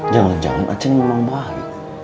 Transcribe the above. jangan jangan a'at memang baik